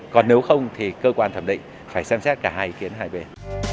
còn nếu không thì cơ quan thẩm định phải xem xét cả hai ý kiến hai bên